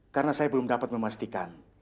karena saya belum dapat memastikan